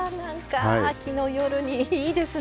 秋の夜にいいですね。